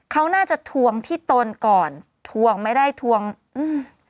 เขาน่าจะทวงที่ตนก่อนทวงไม่ได้ทวงอืม